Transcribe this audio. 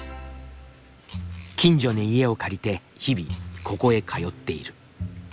近所に家を借りて日々ここへ通っている。